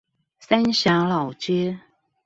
三峽老街